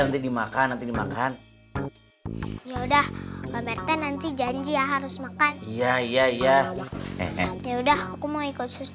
nanti dimakan nanti dimakan ya udah nanti janji ya harus makan iya iya iya ya udah aku mau ikut